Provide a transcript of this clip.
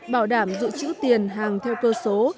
bảo đảm dự trữ tiền hàng theo cơ số